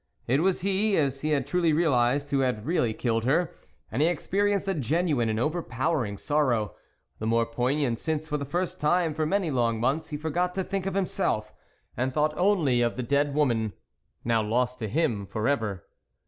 It was he, as he had truly realised, who had really killed her, and he experienced a genuine and overpowering sorrow, the more poignant since for the first time for many long months he forgot to think of himself, and thought only of the dead woman, now lost to him for ever.